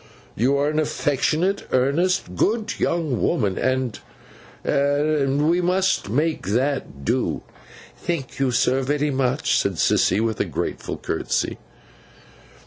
You are an affectionate, earnest, good young woman—and—and we must make that do.' 'Thank you, sir, very much,' said Sissy, with a grateful curtsey.